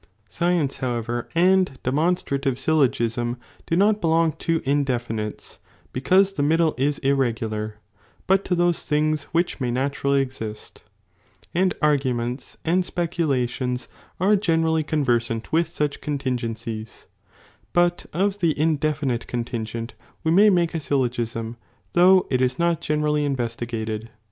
Science however anj demonstrative syllogism do not belong to indefinites, because J the middle is irregular, but to those things which may na 1 torally exist ; and arguments and specuJalions are generally I conversant with such contiugencies, but of the indefinite con I lingent we may make a syllogism, though it is not geueraliy .1 investigated.